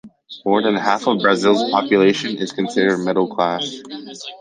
More than half of Brazil's population is considered middle class.